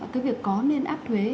cái việc có nên áp thuế